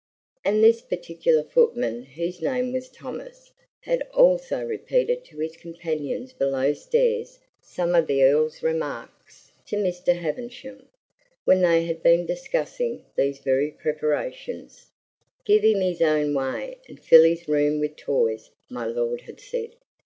And this particular footman, whose name was Thomas, had also repeated to his companions below stairs some of the Earl's remarks to Mr. Havisham, when they had been discussing these very preparations. "Give him his own way, and fill his rooms with toys," my lord had said.